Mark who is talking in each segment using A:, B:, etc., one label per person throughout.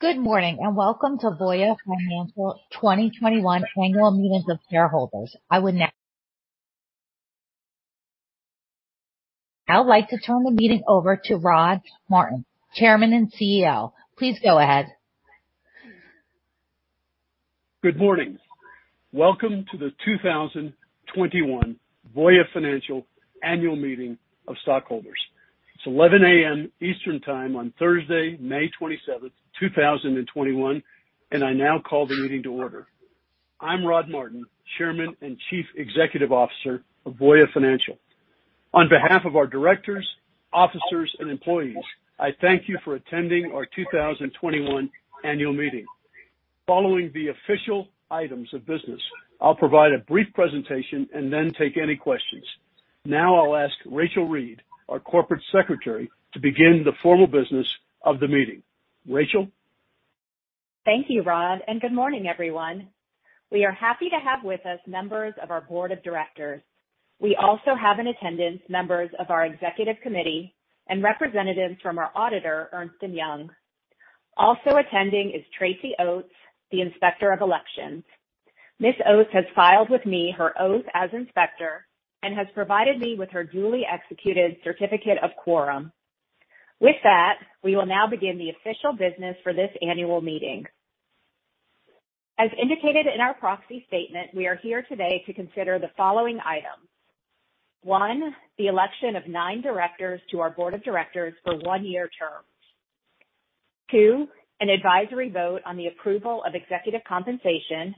A: Good morning, and welcome to Voya Financial 2021 Annual Meeting of Shareholders. I would now like to turn the meeting over to Rod Martin, Chairman and CEO. Please go ahead.
B: Good morning. Welcome to the 2021 Voya Financial Annual Meeting of Stockholders. It's 11:00 A.M. Eastern Time on Thursday, May 27, 2021, I now call the meeting to order. I'm Rod Martin, Chairman and Chief Executive Officer of Voya Financial. On behalf of our directors, officers, and employees, I thank you for attending our 2021 annual meeting. Following the official items of business, I'll provide a brief presentation then take any questions. Now I'll ask Rachel Reid, our Corporate Secretary, to begin the formal business of the meeting. Rachel?
C: Thank you, Rod, good morning, everyone. We are happy to have with us members of our Board of Directors. We also have in attendance members of our executive committee and representatives from our auditor, Ernst & Young. Also attending is Tracy Oates, the Inspector of Elections. Ms. Oates has filed with me her oath as inspector and has provided me with her duly executed certificate of quorum. With that, we will now begin the official business for this annual meeting. As indicated in our proxy statement, we are here today to consider the following items. One, the election of nine directors to our Board of Directors for one-year terms. Two, an advisory vote on the approval of executive compensation,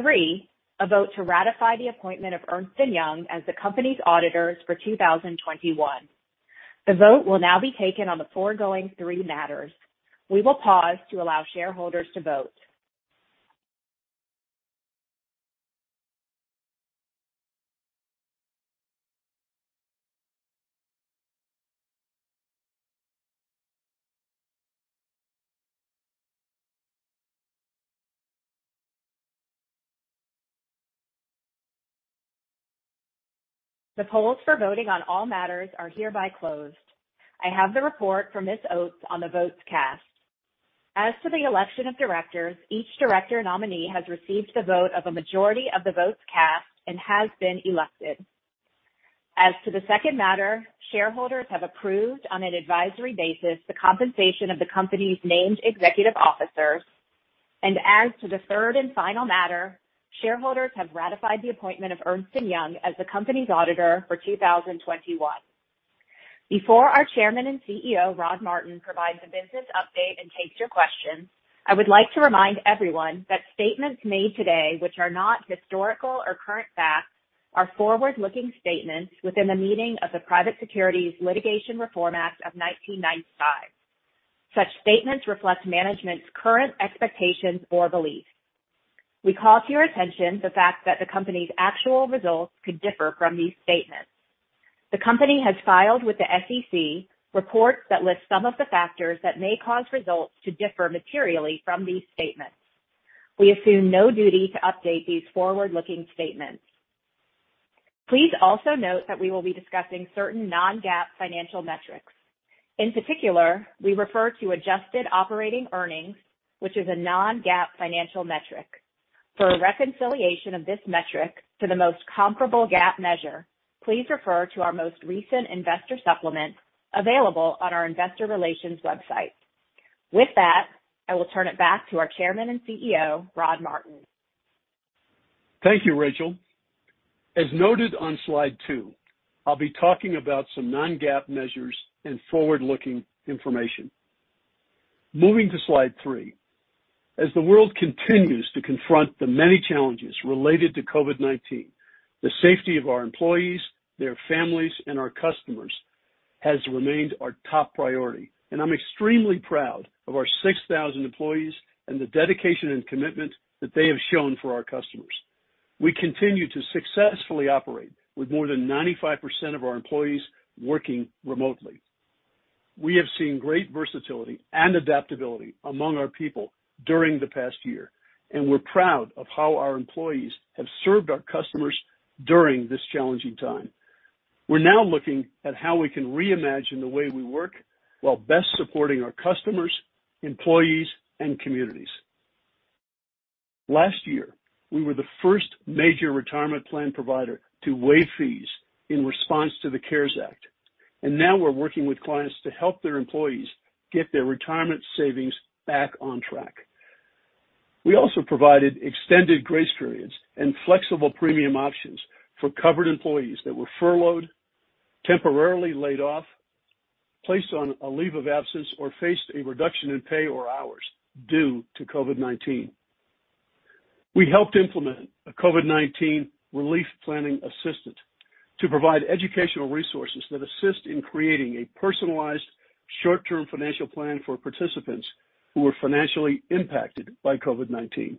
C: three, a vote to ratify the appointment of Ernst & Young as the company's auditors for 2021. The vote will now be taken on the foregoing three matters. We will pause to allow shareholders to vote. The polls for voting on all matters are hereby closed. I have the report from Ms. Oates on the votes cast. As to the election of directors, each director nominee has received the vote of a majority of the votes cast and has been elected. As to the second matter, shareholders have approved on an advisory basis the compensation of the company's named executive officers, as to the third and final matter, shareholders have ratified the appointment of Ernst & Young as the company's auditor for 2021. Before our Chairman and CEO, Rod Martin, provides a business update and takes your questions, I would like to remind everyone that statements made today which are not historical or current facts are forward-looking statements within the meaning of the Private Securities Litigation Reform Act of 1995. Such statements reflect management's current expectations or beliefs. We call to your attention the fact that the company's actual results could differ from these statements. The company has filed with the SEC reports that list some of the factors that may cause results to differ materially from these statements. We assume no duty to update these forward-looking statements. Please also note that we will be discussing certain non-GAAP financial metrics. In particular, we refer to adjusted operating earnings, which is a non-GAAP financial metric. For a reconciliation of this metric to the most comparable GAAP measure, please refer to our most recent investor supplement available on our investor relations website. With that, I will turn it back to our Chairman and CEO, Rod Martin.
B: Thank you, Rachel. As noted on slide two, I'll be talking about some non-GAAP measures and forward-looking information. Moving to slide three. As the world continues to confront the many challenges related to COVID-19, the safety of our employees, their families, and our customers has remained our top priority, and I'm extremely proud of our 6,000 employees and the dedication and commitment that they have shown for our customers. We continue to successfully operate with more than 95% of our employees working remotely. We have seen great versatility and adaptability among our people during the past year, and we're proud of how our employees have served our customers during this challenging time. We're now looking at how we can reimagine the way we work while best supporting our customers, employees, and communities. Last year, we were the first major retirement plan provider to waive fees in response to the CARES Act, and now we're working with clients to help their employees get their retirement savings back on track. We also provided extended grace periods and flexible premium options for covered employees that were furloughed, temporarily laid off, placed on a leave of absence, or faced a reduction in pay or hours due to COVID-19. We helped implement a COVID-19 relief planning assistant to provide educational resources that assist in creating a personalized short-term financial plan for participants who were financially impacted by COVID-19.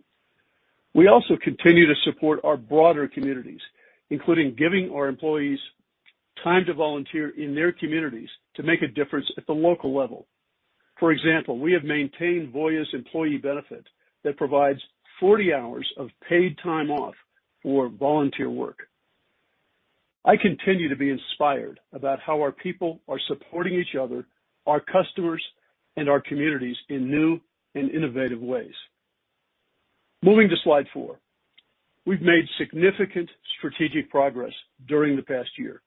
B: We also continue to support our broader communities, including giving our employees time to volunteer in their communities to make a difference at the local level. For example, we have maintained Voya's employee benefit that provides 40 hours of paid time off for volunteer work. I continue to be inspired about how our people are supporting each other, our customers, and our communities in new and innovative ways. Moving to slide four. We've made significant strategic progress during the past year.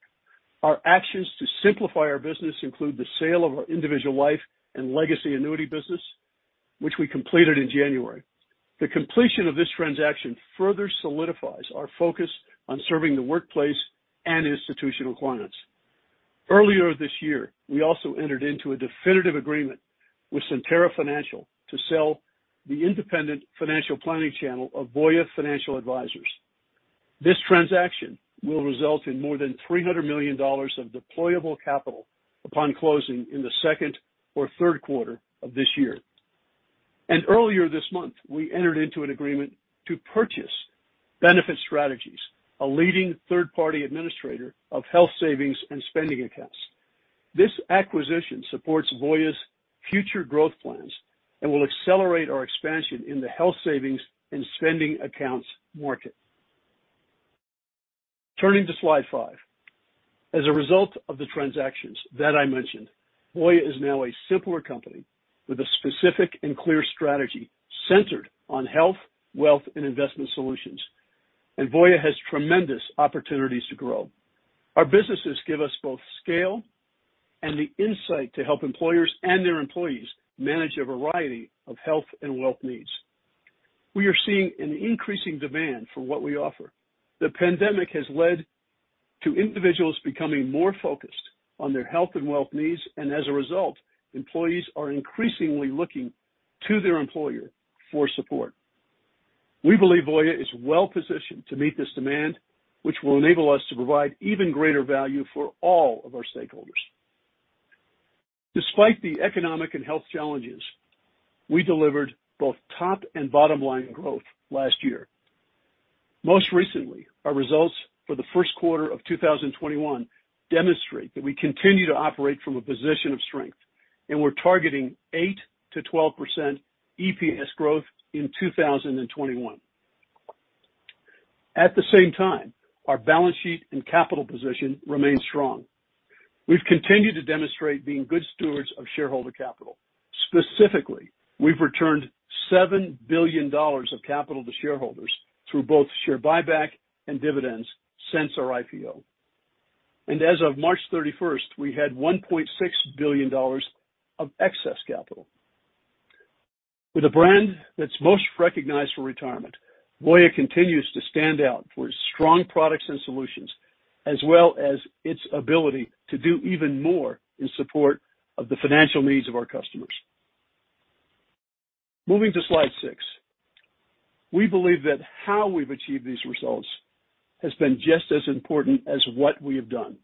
B: Our actions to simplify our business include the sale of our individual life and legacy annuity business, which we completed in January. The completion of this transaction further solidifies our focus on serving the workplace and institutional clients. Earlier this year, we also entered into a definitive agreement with Cetera Financial to sell the independent financial planning channel of Voya Financial Advisors. This transaction will result in more than $300 million of deployable capital upon closing in the second or third quarter of this year. Earlier this month, we entered into an agreement to purchase Benefit Strategies, a leading third-party administrator of health savings and spending accounts. This acquisition supports Voya's future growth plans and will accelerate our expansion in the health savings and spending accounts market. Turning to slide five. As a result of the transactions that I mentioned, Voya is now a simpler company with a specific and clear strategy centered on health, wealth, and investment solutions. Voya has tremendous opportunities to grow. Our businesses give us both scale and the insight to help employers and their employees manage a variety of health and wealth needs. We are seeing an increasing demand for what we offer. The pandemic has led to individuals becoming more focused on their health and wealth needs. As a result, employees are increasingly looking to their employer for support. We believe Voya is well-positioned to meet this demand, which will enable us to provide even greater value for all of our stakeholders. Despite the economic and health challenges, we delivered both top and bottom-line growth last year. Most recently, our results for the first quarter of 2021 demonstrate that we continue to operate from a position of strength. We're targeting 8%-12% EPS growth in 2021. At the same time, our balance sheet and capital position remains strong. We've continued to demonstrate being good stewards of shareholder capital. Specifically, we've returned $7 billion of capital to shareholders through both share buyback and dividends since our IPO. As of March 31st, we had $1.6 billion of excess capital. With a brand that's most recognized for retirement, Voya continues to stand out for its strong products and solutions, as well as its ability to do even more in support of the financial needs of our customers. Moving to slide six. We believe that how we've achieved these results has been just as important as what we have done.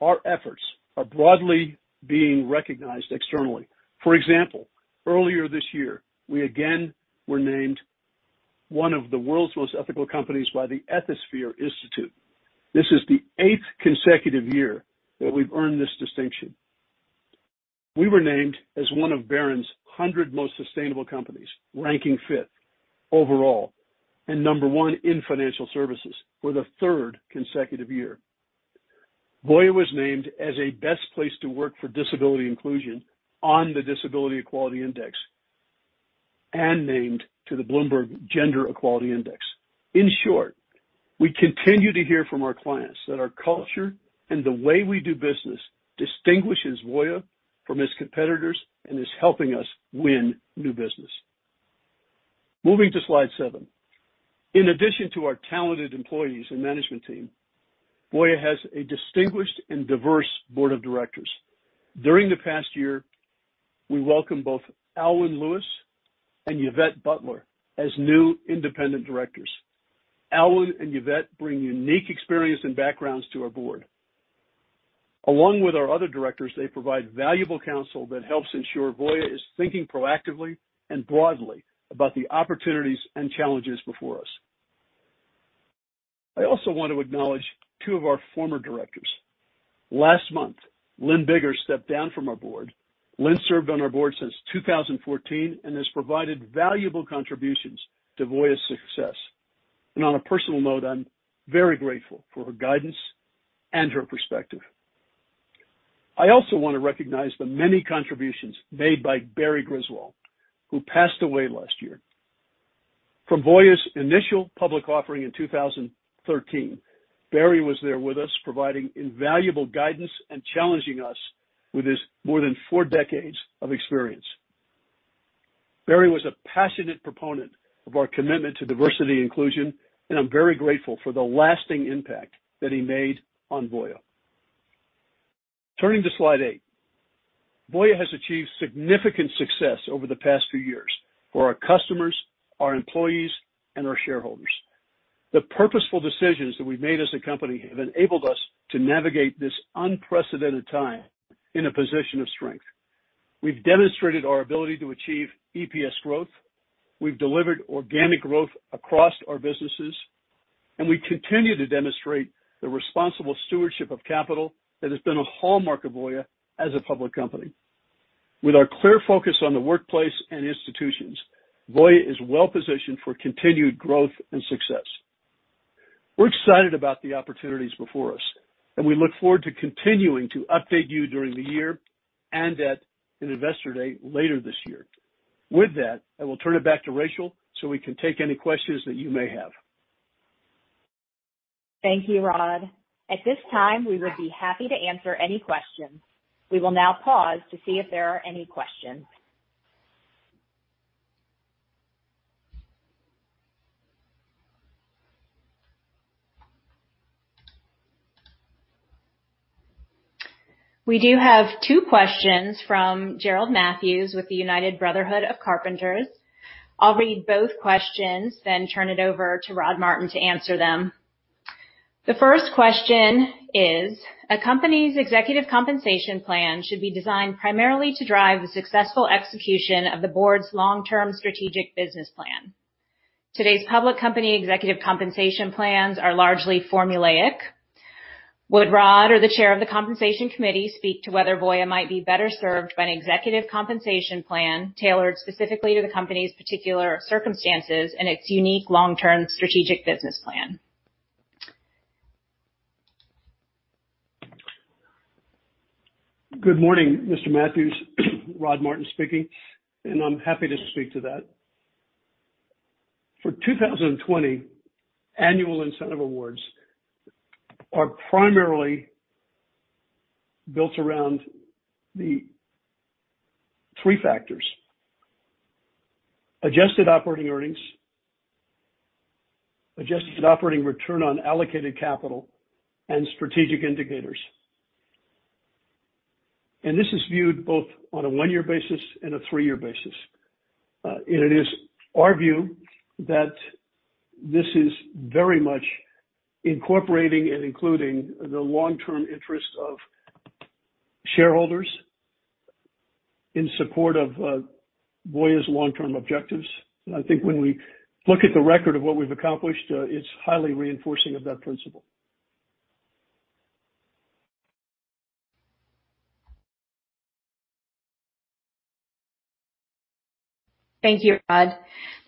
B: Our efforts are broadly being recognized externally. For example, earlier this year, we again were named one of the world's most ethical companies by the Ethisphere Institute. This is the eighth consecutive year that we've earned this distinction. We were named as one of Barron's 100 most sustainable companies, ranking fifth overall and number one in financial services for the third consecutive year. Voya was named as a best place to work for disability inclusion on the Disability Equality Index and named to the Bloomberg Gender-Equality Index. In short, we continue to hear from our clients that our culture and the way we do business distinguishes Voya from its competitors and is helping us win new business. Moving to slide seven. In addition to our talented employees and management team, Voya has a distinguished and diverse board of directors. During the past year, we welcome both Aylwin Lewis and Yvette Butler as new independent directors. Aylwin and Yvette bring unique experience and backgrounds to our board. Along with our other directors, they provide valuable counsel that helps ensure Voya is thinking proactively and broadly about the opportunities and challenges before us. I also want to acknowledge two of our former directors. Last month, Lynne Biggar stepped down from our board. Lynne served on our board since 2014 and has provided valuable contributions to Voya's success. On a personal note, I'm very grateful for her guidance and her perspective. I also want to recognize the many contributions made by Barry Griswell, who passed away last year. From Voya's initial public offering in 2013, Barry was there with us providing invaluable guidance and challenging us with his more than four decades of experience. Barry was a passionate proponent of our commitment to diversity and inclusion, and I'm very grateful for the lasting impact that he made on Voya Financial. Turning to slide eight. Voya Financial has achieved significant success over the past few years for our customers, our employees, and our shareholders. The purposeful decisions that we've made as a company have enabled us to navigate this unprecedented time in a position of strength. We've demonstrated our ability to achieve EPS growth. We've delivered organic growth across our businesses, and we continue to demonstrate the responsible stewardship of capital that has been a hallmark of Voya Financial as a public company. With our clear focus on the workplace and institutions, Voya Financial is well-positioned for continued growth and success. We're excited about the opportunities before us. We look forward to continuing to update you during the year and at an investor day later this year. With that, I will turn it back to Rachel so we can take any questions that you may have.
C: Thank you, Rod. At this time, we would be happy to answer any questions. We will now pause to see if there are any questions. We do have two questions from Gerald Matthews with the United Brotherhood of Carpenters. I'll read both questions, then turn it over to Rod Martin to answer them. The first question is, a company's executive compensation plan should be designed primarily to drive the successful execution of the board's long-term strategic business plan. Today's public company executive compensation plans are largely formulaic. Would Rod or the chair of the Compensation Committee speak to whether Voya Financial might be better served by an executive compensation plan tailored specifically to the company's particular circumstances and its unique long-term strategic business plan?
B: Good morning, Mr. Matthews. Rod Martin speaking. I'm happy to speak to that. For 2020, annual incentive awards are primarily built around the three factors: adjusted operating earnings, Adjusted Operating Return on Allocated Capital, and strategic indicators. This is viewed both on a one-year basis and a three-year basis. It is our view that this is very much incorporating and including the long-term interest of shareholders in support of Voya Financial's long-term objectives. I think when we look at the record of what we've accomplished, it's highly reinforcing of that principle.
C: Thank you, Rod.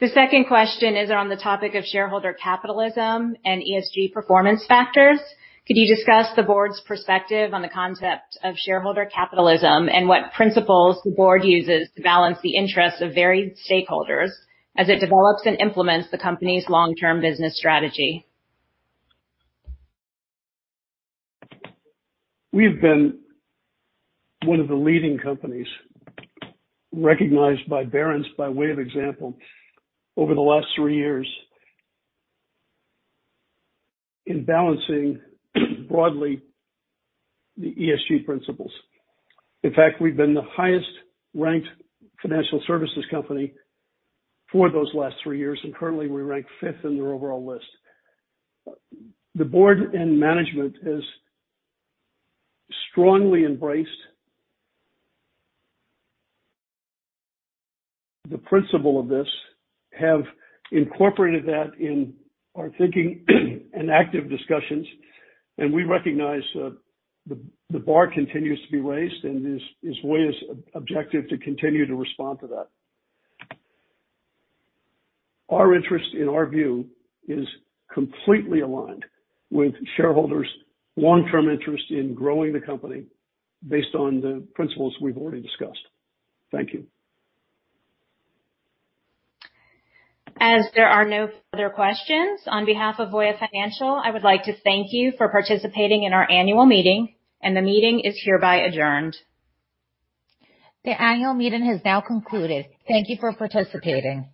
C: The second question is on the topic of shareholder capitalism and ESG performance factors. Could you discuss the board's perspective on the concept of shareholder capitalism and what principles the board uses to balance the interests of varied stakeholders as it develops and implements the company's long-term business strategy?
B: We've been one of the leading companies recognized by Barron's by way of example, over the last three years in balancing broadly the ESG principles. In fact, we've been the highest-ranked financial services company for those last three years, and currently, we rank fifth in their overall list. The board and management has strongly embraced the principle of this, have incorporated that in our thinking and active discussions, and we recognize the bar continues to be raised, and it's Voya's objective to continue to respond to that. Our interest, in our view, is completely aligned with shareholders' long-term interest in growing the company based on the principles we've already discussed. Thank you.
C: As there are no further questions, on behalf of Voya Financial, I would like to thank you for participating in our annual meeting. The meeting is hereby adjourned.
A: The annual meeting has now concluded. Thank you for participating.